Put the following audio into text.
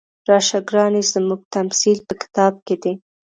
راشه ګرانې زموږ تمثیل په کتاب کې دی.